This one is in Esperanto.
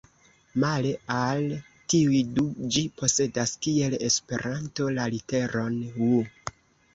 Male al tiuj du ĝi posedas, kiel Esperanto, la literon "ŭ".